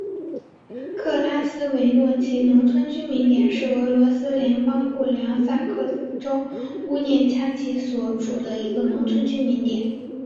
克拉斯诺维奇农村居民点是俄罗斯联邦布良斯克州乌涅恰区所属的一个农村居民点。